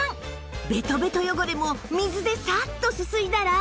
ベトベト汚れも水でサッとすすいだら